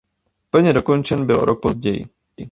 Plně dokončen byl o rok později.